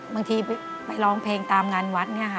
บางทีไปร้องเพลงตามงานวัดเนี่ยค่ะ